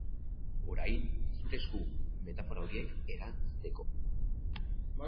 Orain, zeure esku, metafora horiek erazteko lana.